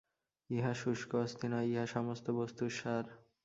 ইহা শুষ্ক অস্থি নয়, ইহা সমস্ত বস্তুর সার।